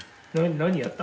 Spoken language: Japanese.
何やった？